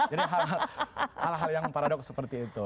jadi hal hal yang paradoks seperti itu